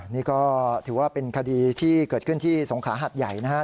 นี่ก็ถือว่าเป็นคดีที่เกิดขึ้นที่สงขาหัดใหญ่นะครับ